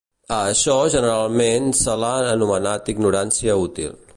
A això generalment se l'ha anomenat ignorància útil.